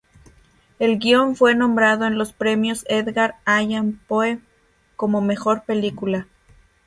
El guion fue nominado en los Premios Edgar Allan Poe como Mejor Película.